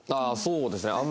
ああそうですね。